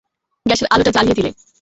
গ্যাসের আলোটা জ্বালিয়ে দিলে।